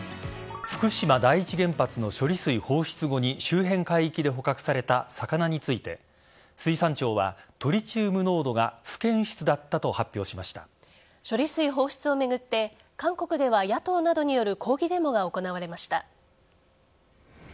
福島第一原発の処理水放出後に周辺海域で捕獲された魚について水産庁はトリチウム濃度が不検出だったと処理水放出を巡って韓国では野党などによる抗議デモが行われました。